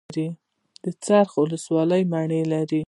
څرخ ولسوالۍ مڼې لري؟